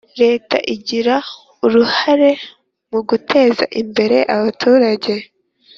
Leta igira uruhare mu guteza imbere abaturage